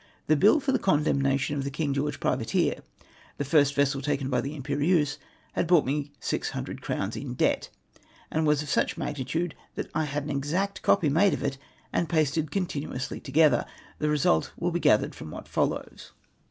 The bill for the condemnation of the King George privateer, the first vessel taken by the Im2K'r{et{se, had brought me GOO cro"svns in debt, and was of such magnitude that I had an exact copy made of it, and pasted continuously together. The result Avill be gathered from what follows.